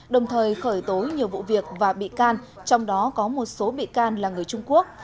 đồng thời khởi tố nhiều vụ việc và bị can trong đó có một số bị can là người trung quốc